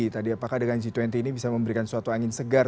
tadi apakah dengan g dua puluh ini bisa memberikan suatu angin segar